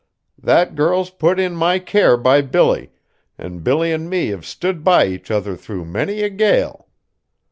That girl's put in my care by Billy, an' Billy an' me have stood by each other through many a gale.